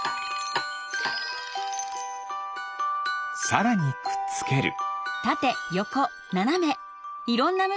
さらにくっつける。